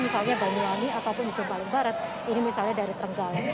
misalnya banyuani ataupun di ujung paling barat ini misalnya dari trenggal